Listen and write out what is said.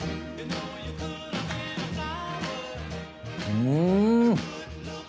うん！